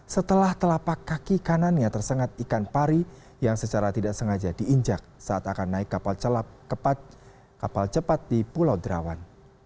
setelah telapak kaki kanannya tersengat ikan pari yang secara tidak sengaja diinjak saat akan naik kapal cepat di pulau derawan